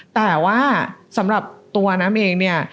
แต่ว่าสำหรับตัวน้ำเองเนี่ย